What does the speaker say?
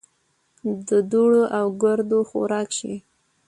د دوړو او ګردو خوراک شي .